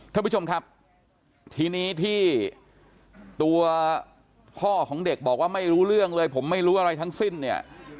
ท่านผู้ชมครับทีนี้ที่ตัวพ่อของเด็กบอกว่าไม่รู้เรื่องเลยผมไม่รู้อะไรทั้งสิ้นเนี่ย